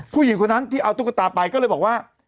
ผู้หญิงคนนั้นที่เอาตุ๊กตาไปก็เลยบอกว่า